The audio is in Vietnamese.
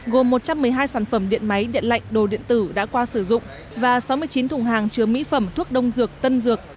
gồm một trăm một mươi hai sản phẩm điện máy điện lạnh đồ điện tử đã qua sử dụng và sáu mươi chín thùng hàng chứa mỹ phẩm thuốc đông dược tân dược